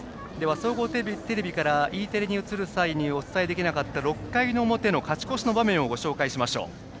総合テレビからＥテレに移る際にお伝えできなかった６回の表の勝ち越しの場面をお伝えしましょう。